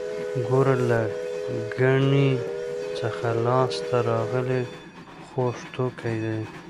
ګوړه له ګني څخه لاسته راغلی خوږ توکی دی